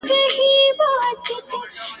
د طبیب پر پور به څنګه منکرېږم !.